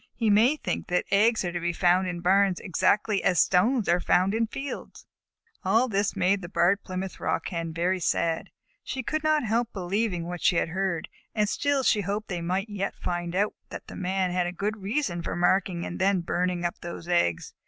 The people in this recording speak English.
He may think that eggs are to be found in barns exactly as stones are found in fields." All this made the Barred Plymouth Rock Hen very sad. She could not help believing what she had heard, and still she hoped they might yet find out that the Man had a good reason for marking and then burning up those eggs.